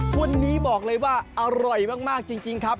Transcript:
วันนี้บอกเลยว่าอร่อยมากจริงครับ